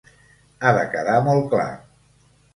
Ha de quedar molt clar.